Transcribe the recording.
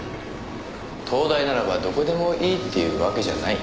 東大ならばどこでもいいっていうわけじゃない。